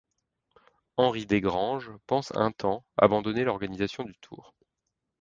Henri Desgrange pense un temps abandonner l'organisation du Tour.